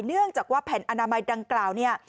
เนื่องจากว่าแผ่นอนามัยดังกล่าวเนี่ย